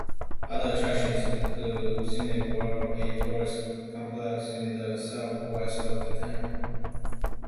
Other attractions include Scenic World, a tourist complex in the southwest of the town.